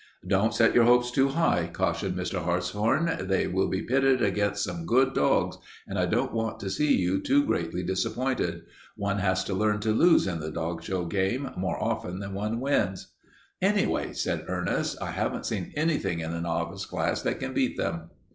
"Don't set your hopes too high," cautioned Mr. Hartshorn. "They will be pitted against some good dogs, and I don't want to see you too greatly disappointed. One has to learn to lose in the dog show game more often than one wins." "Anyway," said Ernest, "I haven't seen anything in the novice class that can beat them."